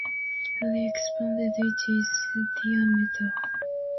Fully expanded, it is in diameter.